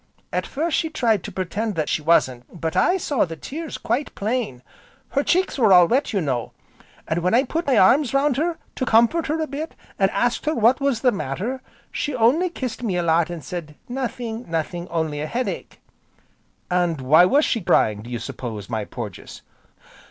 At first she tried to pretend that she wasn't, but I saw the tears quite plain, her cheeks were all wet, you know; an' when I put my arms round her to comfort her a bit, an' asked her what was the matter, she only kissed me a lot, an' said 'nothing! nothing, only a headache!'" "And why was she crying, do you suppose, my Porges?"